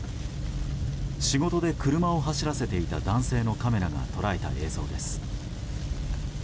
仕事で車を走らせていた男性のカメラが捉えた映像です。